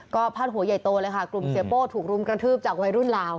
ก็พาดหัวใหญ่โตเลยค่ะกลุ่มเสียโป้ถูกรุมกระทืบจากวัยรุ่นลาว